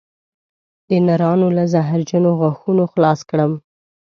د نرانو له زهرجنو غاښونو خلاص کړم